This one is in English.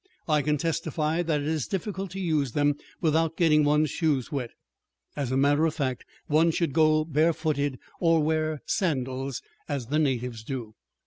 I can testify that it is difficult to use them without getting one's shoes wet. As a matter of fact one should go barefooted, or wear sandals, as the natives do.